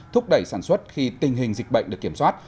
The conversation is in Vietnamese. thúc đẩy sản xuất khi tình hình dịch bệnh được kiểm soát